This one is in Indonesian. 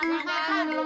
ini ada belum kon